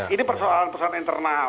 ini persoalan persoalan internal